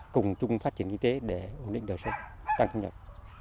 cùng chung phát triển kinh tế để ổn định đời sống tăng thu nhập